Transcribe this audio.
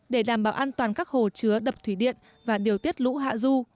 để đảm bảo an toàn các hồ chứa đập thủy điện và điều tiết lũ hạ du